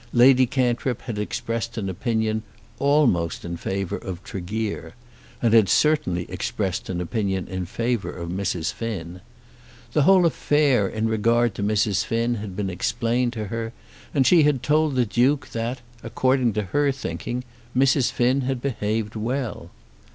Lady Cantrip had expressed an opinion almost in favour of Tregear and had certainly expressed an opinion in favour of Mrs. Finn. The whole affair in regard to Mrs. Finn had been explained to her, and she had told the Duke that, according to her thinking, Mrs. Finn had behaved well!